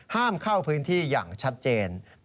ห้ามเข้าพื้นที่อย่างชัดเจน